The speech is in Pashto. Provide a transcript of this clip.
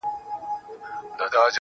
اوس دا يم ځم له خپلي مېني څخه.